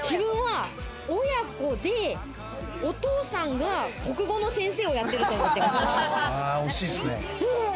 親子で、お父さんが国語の先生をやってると思ってます。